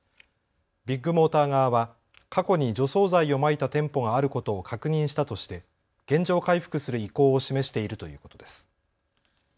ビッグモーター側は過去に除草剤をまいた店舗があることを確認したとして原状回復する意向を示しているということです。